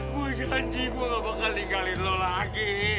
gua janji gua ga bakal ninggalin lu lagi